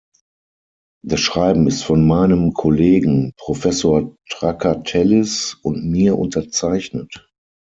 Das Schreiben ist von meinem Kollegen, Professor Trakatellis, und mir unterzeichnet.